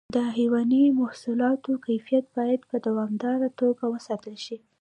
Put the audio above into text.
د حیواني محصولاتو کیفیت باید په دوامداره توګه وساتل شي.